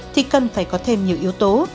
thì cần phải có thêm nhiều yếu tố